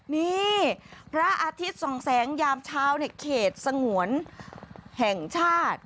นี่พระอาทิตย์สองแสงยามเช้าในเขตสงวนแห่งชาติ